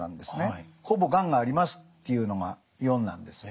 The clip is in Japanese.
ほぼがんがありますっていうのが４なんです。